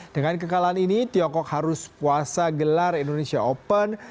dengan kekalahan ini tiongkok harus puasa gelar indonesia open